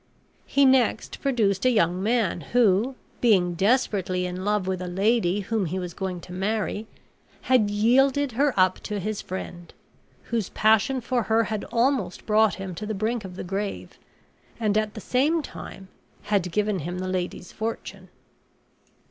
He next produced a young man who, being desperately in love with a lady whom he was going to marry, had yielded her up to his friend, whose passion for her had almost brought him to the brink of the grave, and at the same time had given him the lady's fortune.